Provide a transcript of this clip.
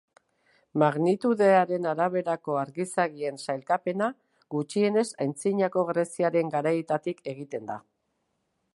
Magnitudearen araberako argizagien sailkapena gutxienez Antzinako Greziaren garaietatik egiten da.